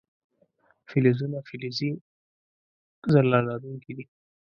فلزونه فلزي ځلا لرونکي دي.